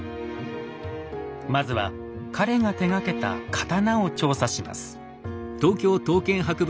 まずは彼が手がけた刀を調査します。